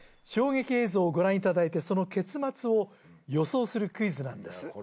衝撃映像をご覧いただいてその結末を予想するクイズなんです